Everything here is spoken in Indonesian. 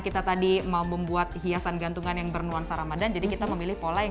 kita tadi mau membuat hiasan gantungan yang bernuansa ramadan jadi kita memilih pola yang